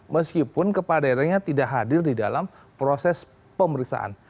meskipun kepala daerahnya tidak hadir di dalam proses pemeriksaan